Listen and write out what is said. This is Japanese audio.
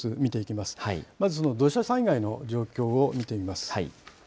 まずその土砂災害の状況を見てみます。